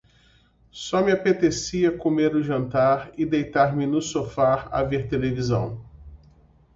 Só me apetecia comer o jantar e deitar-me no sofá a ver televisão.